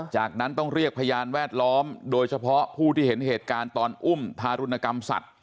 จากนั้นต้องเรียกพยานแวดล้อมโดยเฉพาะผู้ที่เห็นเหตุการณ์ตอนอุ้มทารุณกรรมสัตว์